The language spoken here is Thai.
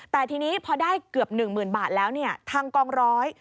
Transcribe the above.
แต่ทีนี้พอได้เกือบ๑๐๐๐บาทแล้วเนี่ยทางกองร้อย